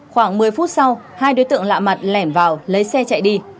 khoảng một mươi phút sau hai đối tượng lạ mặt lẻn vào lấy xe chạy đi